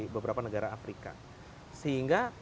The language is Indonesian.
beberapa negara afrika sehingga